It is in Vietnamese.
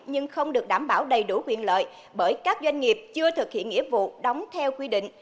nhưng không được đảm bảo đầy đủ quyền lợi bởi các doanh nghiệp chưa thực hiện nghĩa vụ đóng theo quy định